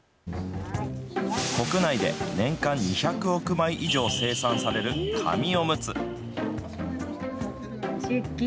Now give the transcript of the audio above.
国内で年間２００億枚以上生産される紙おむつ。